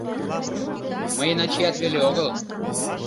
Мыйын ачият вел огыл.